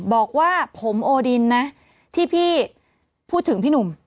บอกว่าผมโอดินนะที่พี่พูดถึงพี่หนุ่ม